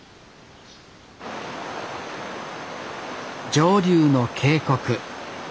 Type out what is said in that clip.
上流の渓谷。